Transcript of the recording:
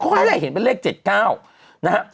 เขาให้ได้เห็นเป็นเลข๗๙นะฮะ